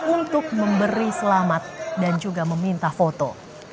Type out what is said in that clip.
untuk memberi selamat dan juga meminta foto